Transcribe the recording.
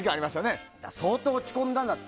相当、落ち込んだんだって。